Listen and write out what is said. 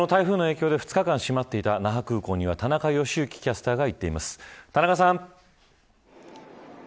その台風の影響で、２日間閉まっていた那覇空港には田中良幸キャスターが行っています、田中さん。